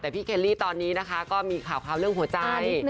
แต่พี่เคลลี่ตอนนี้นะคะก็มีข่าวเรื่องหัวใจ